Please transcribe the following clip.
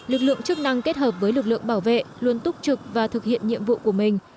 lực lượng chức năng kết hợp với lực lượng bảo vệ luôn túc trực và thực hiện nhiệm vụ của mình